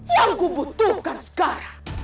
yang kubutuhkan sekarang